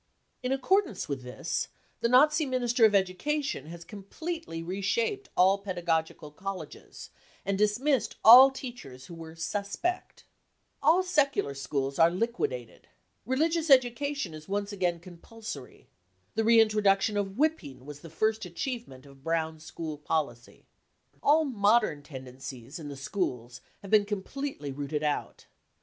5 55 T In accordance with this, the Nazi Minister of Education has completely re shaped all pedagogical colleges, and dismissed all teachers who were " suspect. 55 All secular schools are liquidated. Religious education is once again compulsory. The reintroduction of whipping was the first achievement of Brown school policy. All modern tendencies in the schools have been com pletely rooted out.